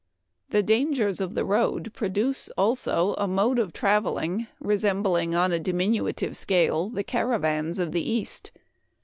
" The dangers of the road produce also a mode of traveling resembling, on a diminutive scale, the caravans of the East.